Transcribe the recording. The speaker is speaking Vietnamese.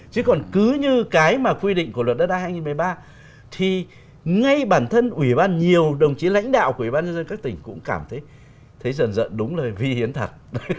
chứ còn cứ như cái mà quy định của luật đất đai hai nghìn một mươi ba thì ngay bản thân ủy ban nhiều đồng chí lãnh đạo của ủy ban nhân dân các tỉnh cũng cảm thấy dần dần đúng lời vi hiến thật